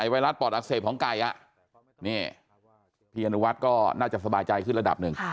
ไวรัสปอดอักเสบของไก่นี่พี่อนุวัฒน์ก็น่าจะสบายใจขึ้นระดับหนึ่ง